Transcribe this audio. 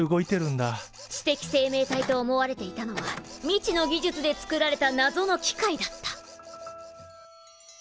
知的生命体と思われていたのは未知の技術で作られたなぞの機械だった。